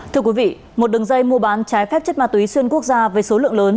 thưa quý vị một đường dây mua bán trái phép chất ma túy xuyên quốc gia với số lượng lớn